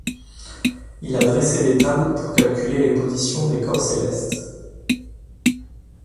Il a dressé des tables pour calculer les positions des corps célestes.